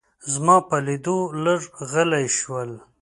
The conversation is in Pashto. زما په لیدو لږ غلي شول.